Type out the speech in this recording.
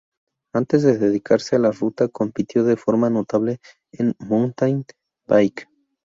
Antes de dedicarse a la ruta, compitió de forma notable en mountain-bike.